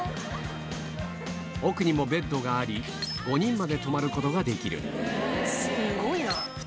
奥にもベッドがあり５人まで泊まることができる